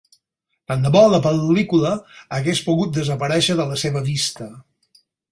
Tant de bo la pel·lícula hagués pogut desaparèixer de la seva vista.